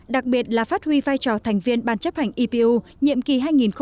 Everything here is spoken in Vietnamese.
đặc biệt là phát huy vai trò thành viên bàn chấp hành epu nhiệm kỳ hai nghìn một mươi sáu hai nghìn một mươi chín